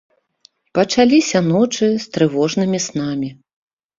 Пачаліся ночы з трывожнымі снамі.